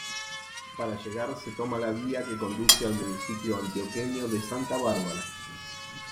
Para llegar se toma la vía que conduce al municipio antioqueño de Santa Bárbara.